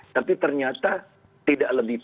tapi ternyata tidak lebih